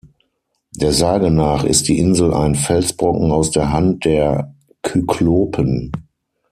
Der Sage nach ist die Insel ein Felsbrocken aus der Hand der Kyklopen.